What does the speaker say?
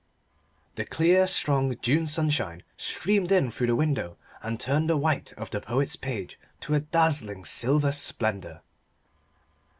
The clear strong June sunshine streamed in through the window and turned the white of the poet's page to a dazzling silver splendour.